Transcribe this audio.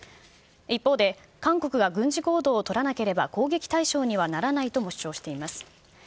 一方で、韓国が軍事行動をとらなければ攻撃対象にはならないとも主張しています。